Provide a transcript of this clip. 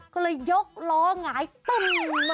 ก็เลยยกล้อหงายติ้ม